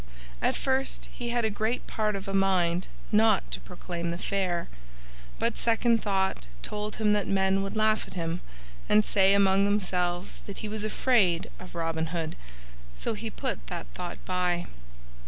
At first he had a great part of a mind not to proclaim the Fair, but second thought told him that men would laugh at him and say among themselves that he was afraid of Robin Hood, so he put that thought by.